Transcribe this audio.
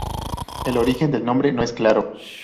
El origen del nombre no es claro.